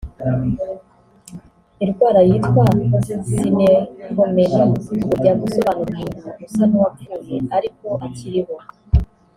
Indwara yitwa sineromelie ngo ijya gusobanura umuntu usa n’uwapfuye ariko akiriho